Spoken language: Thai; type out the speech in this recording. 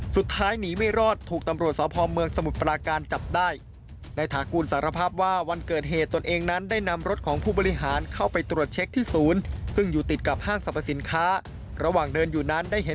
สุดท้ายหนีไม่รอดถูกตำรวจสพเมืองสมุทรปราการจับได้